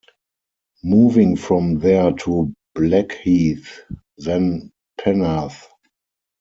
Moving from there to Blackheath then Penarth.